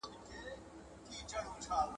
د سترګو خارښت ته ژر پام وکړئ.